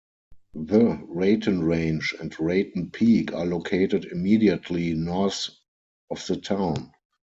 The Raton Range and Raton Peak are located immediately north of the town.